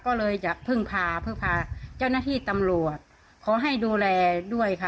ก็เลยจะพึ่งพาพึ่งพาเจ้าหน้าที่ตำรวจขอให้ดูแลด้วยค่ะ